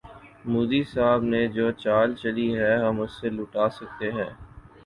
مودی صاحب نے جو چال چلی ہے، ہم اسے لوٹا سکتے ہیں۔